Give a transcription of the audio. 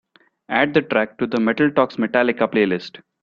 Add the track to the Metal Talks Metallica playlist.